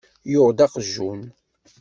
Yuɣ-d aqejjun.